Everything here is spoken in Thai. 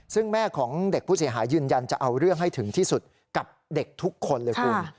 ซึ่งแม่ของเด็กผู้เสียหายยืนยันจะเอาเรื่องให้ถึงที่สุดกับเด็กทุกคนเลยคุณ